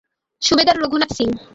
সুবেদার Raghunath Singh.